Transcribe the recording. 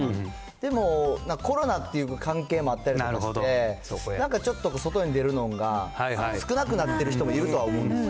でも、コロナっていう関係もあったりして、なんかちょっと外に出るのが少なくなってる人もいると思うんです。